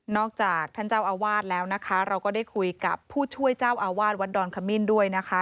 จากท่านเจ้าอาวาสแล้วนะคะเราก็ได้คุยกับผู้ช่วยเจ้าอาวาสวัดดอนขมิ้นด้วยนะคะ